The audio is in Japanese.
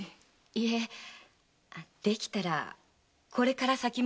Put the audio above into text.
いえできたらこれから先もずっと。